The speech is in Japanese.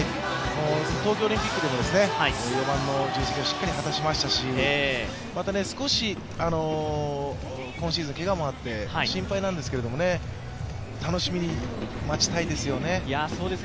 東京オリンピックでも４番の重責をしっかり果たしましたしまた、少し今シーズンけがもあって心配なんですけども、楽しみに待ちたいですよね。